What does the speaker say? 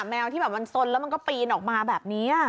แมวที่แบบมันสนแล้วมันก็ปีนออกมาแบบนี้